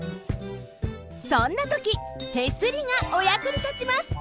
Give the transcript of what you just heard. そんなとき手すりがおやくにたちます！